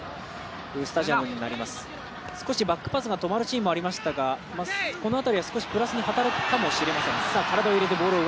少しバックパスが止まるシーンもありましたがこの辺りは少しプラスに働くかもしれません。